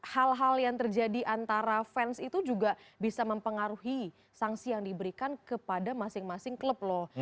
hal hal yang terjadi antara fans itu juga bisa mempengaruhi sanksi yang diberikan kepada masing masing klub loh